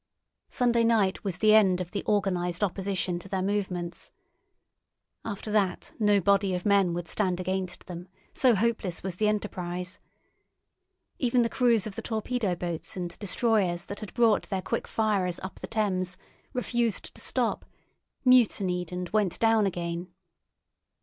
Sunday night was the end of the organised opposition to their movements. After that no body of men would stand against them, so hopeless was the enterprise. Even the crews of the torpedo boats and destroyers that had brought their quick firers up the Thames refused to stop, mutinied, and went down again.